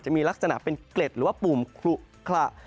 จะมีลักษณะเป็นเกล็ดหรือว่าปุ่มคลุขระ